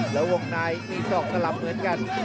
และวงในมี๒สลับเหมือนกัน